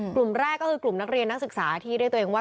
กลุ่มแรกก็คือกลุ่มนักเรียนนักศึกษาที่เรียกตัวเองว่า